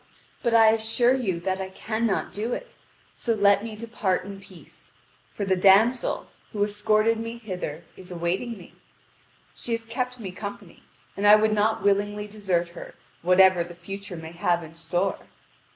But I assure you that I cannot do it: so let me depart in peace. For the damsel, who escorted me hither, is awaiting me. She has kept me company, and I would not willingly desert her whatever the future may have in store."